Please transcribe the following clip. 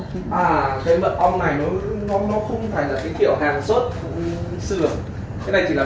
cái mật ong này nó không phải là cái kiểu hàng xuất cũng sử dụng